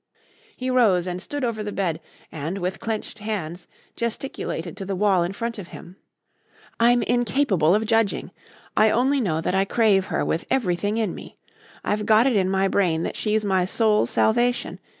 He rose and stood over the bed and, with clenched hands, gesticulated to the wall in front of him. "I'm incapable of judging. I only know that I crave her with everything in me. I've got it in my brain that she's my soul's salvation.